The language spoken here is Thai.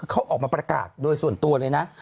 เขาออกมาประกาศโดยส่วนตัวเลยนะ